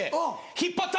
引っ張った！